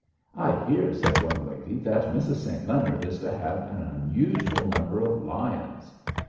"I hear," said one lady, "that Mrs. St. Leonard is to have an unusual number of lions."